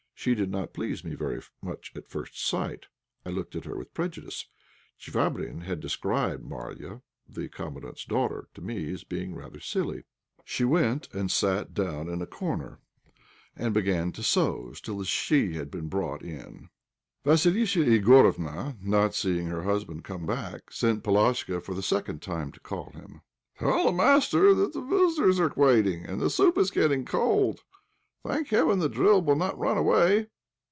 She did not please me very much at first sight; I looked at her with prejudice. Chvabrine had described Marya, the Commandant's daughter, to me as being rather silly. She went and sat down in a corner, and began to sew. Still the "chtchi" had been brought in. Vassilissa Igorofna, not seeing her husband come back, sent Palashka for the second time to call him. "Tell the master that the visitors are waiting, and the soup is getting cold. Thank heaven, the drill will not run away.